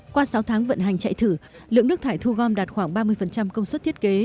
qua sáu tháng vận hành chạy thử lượng nước thải thu gom đạt khoảng ba mươi công suất thiết kế